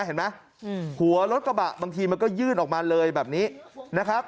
เห็นไหมหัวรถกระบะบางทีมันก็ยื่นออกมาเลยแบบนี้นะครับ